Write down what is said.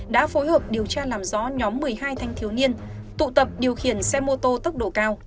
đã phối hợp điều tra làm rõ nhóm một mươi hai thanh thiếu niên tụ tập điều khiển xe mô tô tốc độ cao